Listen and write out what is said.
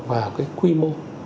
vào cái quy mô